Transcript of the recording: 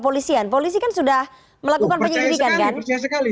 polisian polisi kan sudah melakukan penyelidikan kan